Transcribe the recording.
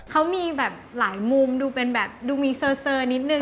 เขามีแบบหลายมุมดูเป็นแบบดูมีเซอร์นิดนึง